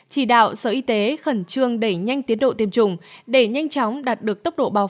chỉ đạo sở y tế khẩn trương đẩy nhanh tiến độ tiêm chủng để nhanh chóng đạt được tốc độ bào chữa